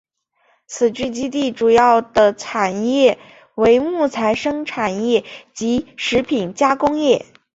此聚居地主要的产业为木材生产业及食品加工业。